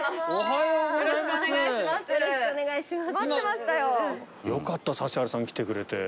よろしくお願いします。